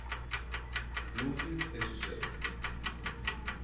Bloomfield es su sede.